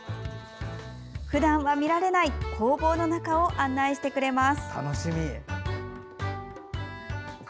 ふだんは見られない工房の中を案内してくれます。